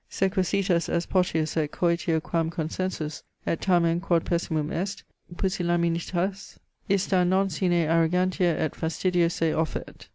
Sequacitas est potius et coitio quam consensus: et tamen (quod pessimum est) pusillanimitas ista non sine arrogantia et fastidio se offert.